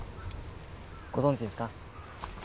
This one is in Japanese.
ご存じですか？